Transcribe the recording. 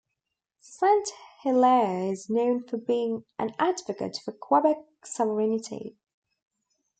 St-Hilaire is known for being an advocate for Quebec sovereignty.